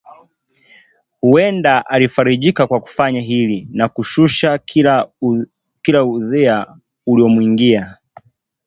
Huenda alifarijika kwa kufanya hili na kushusha kila udhia uliomuingia